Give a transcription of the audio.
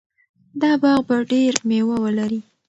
دا باغ به ډېر مېوه ولري.